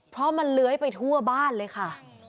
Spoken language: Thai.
เพราะมันเลื้อยไปทั่วบ้านเลยค่ะ